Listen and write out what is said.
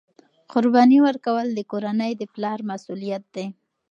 قرباني ورکول د کورنۍ د پلار مسؤلیت دی.